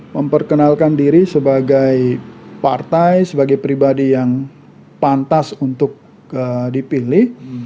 memperkenalkan diri sebagai partai sebagai pribadi yang pantas untuk dipilih